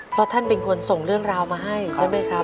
เพราะท่านเป็นคนส่งเรื่องราวมาให้ใช่ไหมครับ